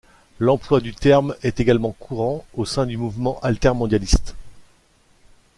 L'emploi du terme est également courant au sein du mouvement altermondialiste.